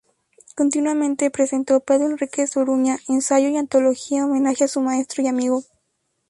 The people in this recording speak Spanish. Continuamente, presentó "Pedro Henríquez Ureña: ensayo y antología", homenaje a su maestro y amigo.